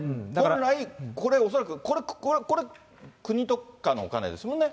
本来、これ恐らく、これ国とかのお金ですもんね。